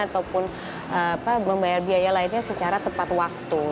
ataupun membayar biaya lainnya secara tepat waktu